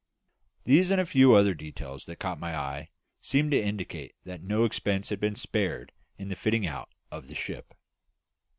These, and a few other details that caught my eye, seemed to indicate that no expense had been spared in the fitting out of the ship.